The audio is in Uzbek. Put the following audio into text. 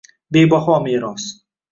Bebaho meros